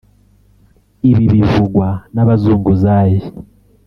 Ibi bivugwa n’ abazunguzayi